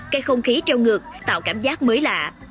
cây không khí treo ngược tạo cảm giác mới lạ